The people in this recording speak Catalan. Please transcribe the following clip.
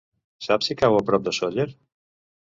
Saps si cau a prop de Sóller?